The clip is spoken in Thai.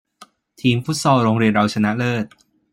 ทีมฟุตซอลโรงเรียนเราชนะเลิศ